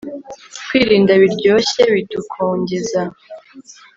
kwirinda biryoshye bidukongeza